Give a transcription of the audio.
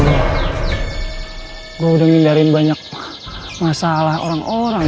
gua sudah menghindari banyak masalah orang orang